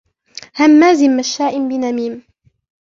هَمَّازٍ مَشَّاءٍ بِنَمِيمٍ